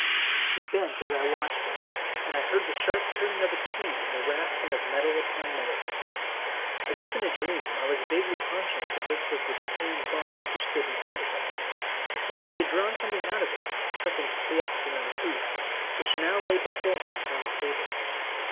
He bent as I watched him, and I heard the sharp turning of a key and the rasping of metal upon metal. As if in a dream I was vaguely conscious that this was the japanned box which stood in front of him, and that he had drawn something out of it, something squat and uncouth, which now lay before him upon the table.